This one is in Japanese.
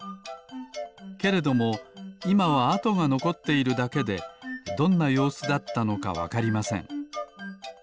けれどもいまはあとがのこっているだけでどんなようすだったのかわかりません。